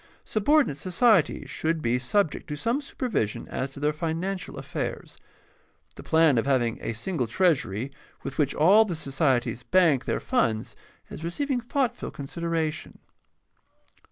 Subordinate societies should be sub ject to some supervision as to their financial affairs. The plan of having a single treasury with which all the societies bank their funds is receiving thoughtful consideration.